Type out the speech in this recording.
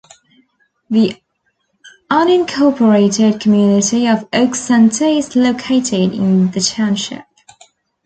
The unincorporated community of Oak Center is located in the township.